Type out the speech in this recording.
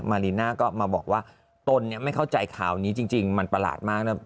มาริน่าก็มาบอกว่าตนไม่เข้าใจข่าวนี้จริงมันประหลาดมากนะ